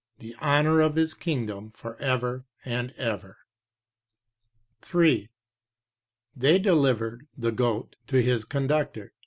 THE HONOUR OF HIS KINGDOM FOR EVER AND EVER.'" 3. They delivered (the goat) to his conductor.